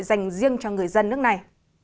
dành riêng cho người dân nước này